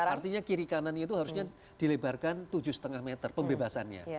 artinya kiri kanan itu harusnya dilebarkan tujuh lima meter pembebasannya